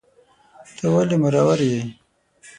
ته ولي مرور یې